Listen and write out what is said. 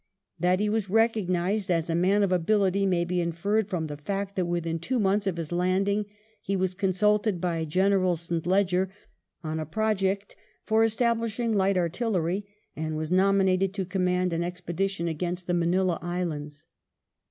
That he was i8 WELLINGTON chap. recognised as a man of ability may be inferred from the fact that within two months of his landing he was consulted by General St. Leger on a project for estab lishing light artillery, and was nominated to command an expedition against the Manilla Islands.